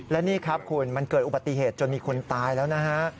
และนี่ครับคุณมันเกิดอุบัติเหตุจนมีคนตายแล้วนะฮะ